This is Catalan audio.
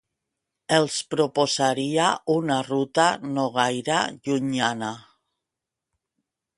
els proposaria una ruta no gaire llunyana